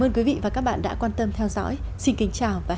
ơn quý vị và các bạn đã quan tâm theo dõi xin kính chào và hẹn gặp lại